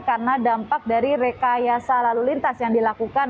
karena dampak dari rekayasa lalu lintas yang dilakukan